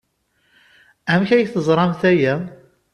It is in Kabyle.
Amek ay teẓramt aya?